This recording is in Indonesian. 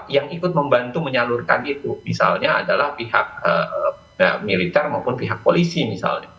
yang ikut membantu menyalurkan itu misalnya adalah pihak militer maupun pihak polisi misalnya